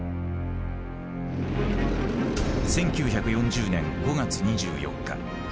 １９４０年５月２４日。